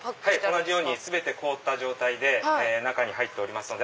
同じように全て凍った状態で中に入っておりますので。